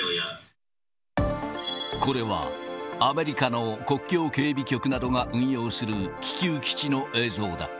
これは、アメリカの国境警備局などが運用する気球基地の映像だ。